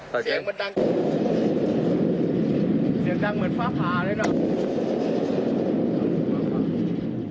เสียงดังเหมือนฟ้าพาด้วยนะ